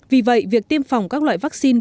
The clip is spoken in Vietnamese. vì vậy việc tiêm phòng các loại vaccine